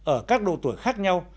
ở các độ tuổi khác nhau